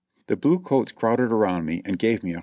The blue coats crowded around me and gfve me a a?